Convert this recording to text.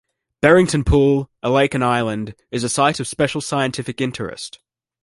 Berrington Pool, a lake and island, is a Site of Special Scientific Interest.